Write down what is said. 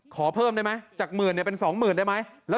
ขอเพิ่มได้ไหมจาก๑๐๐๐๐เป็น๒๐๐๐๐ได้ไหม